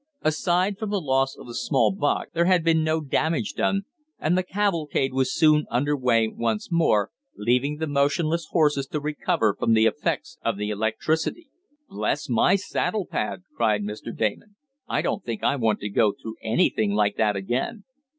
Aside from the loss of a small box, there had been no damage done, and the cavalcade was soon under way once more, leaving the motionless horses to recover from the effects of the electricity. "Bless my saddle pad!" cried Mr. Damon. "I don't think I want to go through anything like that again."